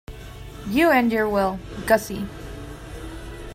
You and your 'Well, Gussie'!